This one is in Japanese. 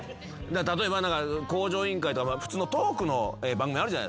例えば『向上委員会』とか普通のトークの番組あるじゃないですか。